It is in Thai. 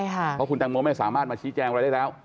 เพราะคุณแตงโมไม่สามารถมาชี้แจงอะไรได้แล้ว